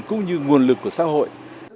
cũng như nguồn lực của xã hội